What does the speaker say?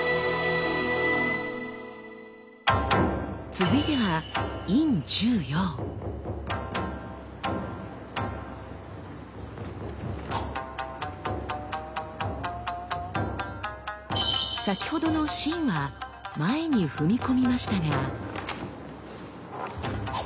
続いては先ほどの「真」は前に踏み込みましたが。